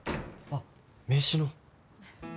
あっ名刺の。